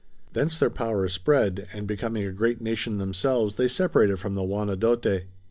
Thence their power spread, and becoming a great nation themselves they separated from the Wanedote.